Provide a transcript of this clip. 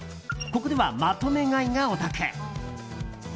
ここではまとめ買いがお得。